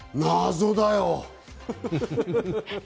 謎だよ。